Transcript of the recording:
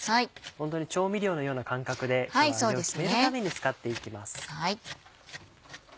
ホントに調味料のような感覚で今日は味を決めるために使っていきます。